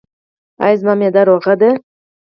ایا زما معده روغه ده؟